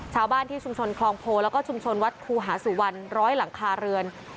ชาวบ้านที่ชุมชนคลองโพแล้วก็ชุมชนวัดครูหาสุวรรณร้อยหลังคาเรือน